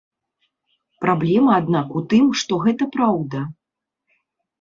Праблема, аднак, у тым, што гэта праўда.